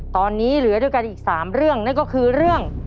ตอนนี้เหลือด้วยกันอีก๓เรื่องนั่นก็คือเรื่อง